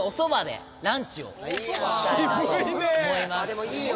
でもいいよ。